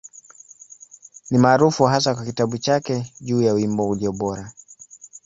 Ni maarufu hasa kwa kitabu chake juu ya Wimbo Ulio Bora.